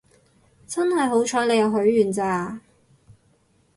真係好彩你有許願咋